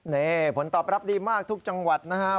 นี่ผลตอบรับดีมากทุกจังหวัดนะครับ